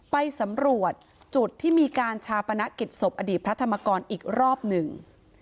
ไปสำรวจจุดที่มีการชาปนกิจศพอดีตพระธรรมกรอีกรอบหนึ่ง